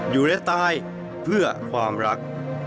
อยู่และตายเพื่อความรัก